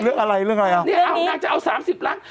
เรื่องอะไรเรื่องนี้นางจะเอา๓๐ล้าง